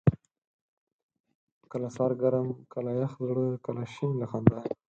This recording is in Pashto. کله سر ګرم ، کله يخ زړه، کله شين له خندا